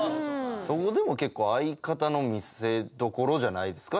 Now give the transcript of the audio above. そこでも結構相方の見せ所じゃないですか？